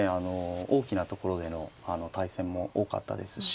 大きなところでの対戦も多かったですし